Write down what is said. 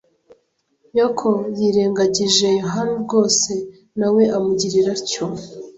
Yoko yirengagije Yohana rwose, na we amugirira atyo.